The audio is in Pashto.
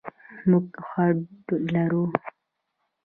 موږ هوډ لرو.